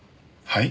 はい？